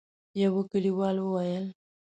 يوه کليوال وويل: